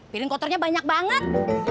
piring kotornya banyak banget